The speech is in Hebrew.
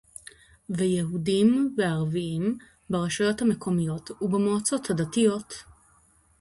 ויהודיים וערביים, ברשויות המקומיות ובמועצות הדתיות